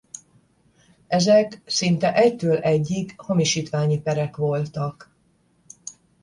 Ezek szinte egytől egyig hamisítványi perek voltak.